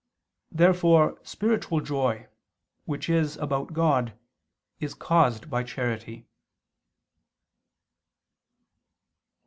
Therefore spiritual joy, which is about God, is caused by charity.